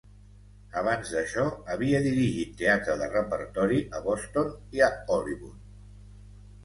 Abans d'això havia dirigit teatre de repertori a Boston i a Hollywood.